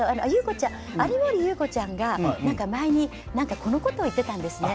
有森裕子ちゃんが前にこのことを言っていたんですね。